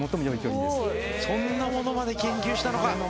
そんなものまで研究したのか。